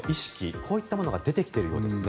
こういったものが出てきているようですね。